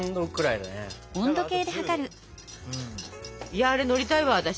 いやあれ乗りたいわ私。